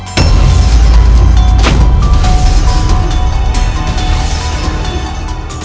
di video selanjutnya